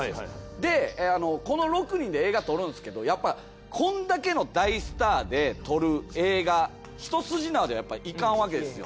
でこの６人で映画撮るんすけどやっぱりこんだけの大スターで撮る映画一筋縄ではやっぱいかんわけですよ。